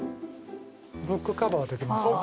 ブックカバーできますよ。